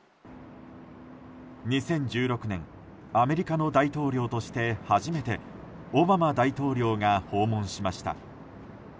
２０１６年アメリカの大統領として初めてオバマ大統領が訪問しました。